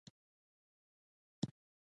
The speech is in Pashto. رومیان له سیند سره ښه خوري